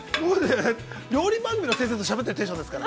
料理番組の先生としゃべっているテンションですから。